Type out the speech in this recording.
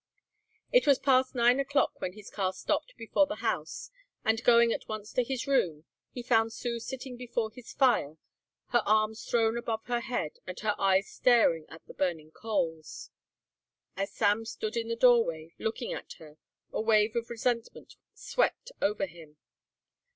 It was past nine o'clock when his car stopped before the house and, going at once to his room, he found Sue sitting before his fire, her arms thrown above her head and her eyes staring at the burning coals. As Sam stood in the doorway looking at her a wave of resentment swept over him.